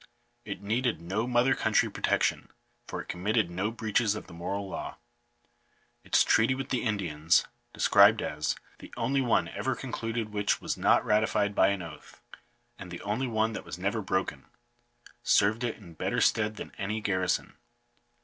It needed no mother country protection, for it committed no breaches of the moral law. Its treaty with the Indians, described as " the only one ever concluded which was not ratified by an oath, and the only one that was never broken," served it in better stead than any garrison.